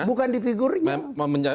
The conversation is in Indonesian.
bukan di figurnya